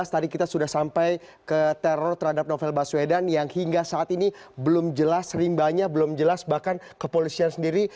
tadi kita sudah sampai ke teror terhadap novel baswedan yang hingga saat ini belum jelas rimbanya belum jelas bahkan kepolisian sendiri